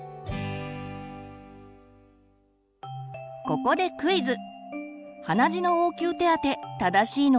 ここでクイズ。